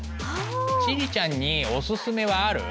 千里ちゃんにおすすめはある？